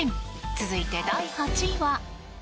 続いて、第８位は。